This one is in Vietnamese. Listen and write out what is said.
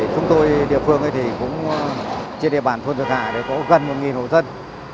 chúng tôi địa phương thì cũng trên địa bàn thuân dược hạ có gần một hộ dân